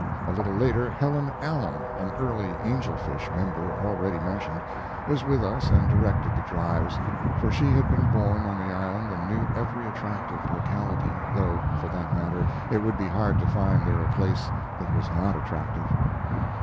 A little later Helen Allen, an early angel fish member already mentioned, was with us and directed the drives, for she had been born on the island and knew every attractive locality, though, for that matter, it would be hard to find there a place that was not attractive.